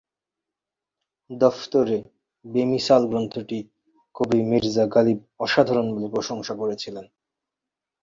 দফতর-এ-বেমিসাল গ্রন্থটি কবি মীর্জা গালিব অসাধারণ বলে প্রশংসা করেছিলেন।